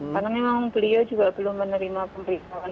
karena memang beliau juga belum menerima pemberitaan